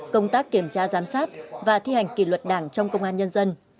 công tác kiểm tra giám sát và thi hành kỷ luật đảng trong công an nhân dân